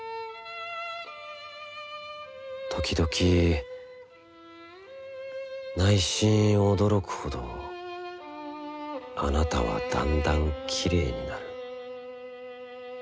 時々内心おどろくほどあなたはだんだんきれいになる」。